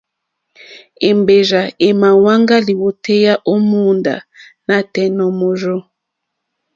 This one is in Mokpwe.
Èmbèrzà èmà wáŋgá lìwòtéyá ó mòóndá nǎtɛ̀ɛ̀ nǒ mòrzô.